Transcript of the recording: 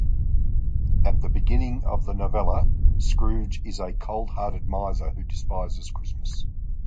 At the beginning of the novella, Scrooge is a cold-hearted miser who despises Christmas.